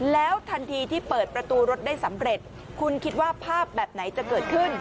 แล้วทันทีที่เปิดประตูรถได้สำเร็จคุณคิดว่าภาพแบบไหนจะเกิดขึ้น